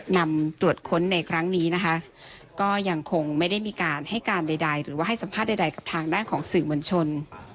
นำตรวจค้นในครั้งนี้นะคะก็ยังคงไม่ได้มีการให้การใดหรือว่าให้สัมภาษณ์ใดกับทางด้านของสื่อมวลชน